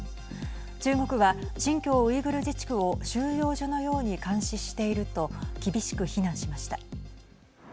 中国は新疆ウイグル自治区を収容所のように監視していると厳しく非難しました。